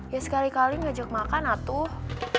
ya sekali kali ngajak makan atuh